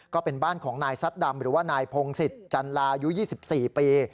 ก็เป็นบ้านของนายซัดดำหรือว่านายพงศิษย์จันลายุ๒๔ปี